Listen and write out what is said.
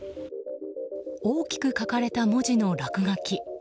大きく書かれた文字の落書き。